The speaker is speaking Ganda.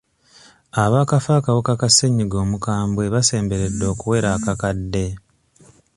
Abaakafa akawuka ka ssennyiga omukwambwe basemberedde okuwera akakadde.